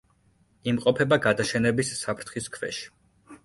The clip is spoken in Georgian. იმყოფება გადაშენების საფრთხის ქვეშ.